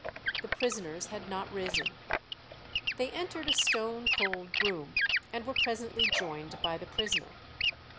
The prisoners had not risen." They entered a "stone cold room," and were presently joined by the prisoner.